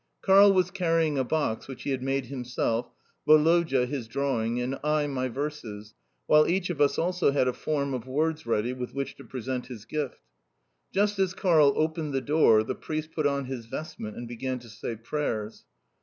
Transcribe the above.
Karl was carrying a box which he had made himself, Woloda, his drawing, and I my verses, while each of us also had a form of words ready with which to present his gift. Just as Karl opened the door, the priest put on his vestment and began to say prayers.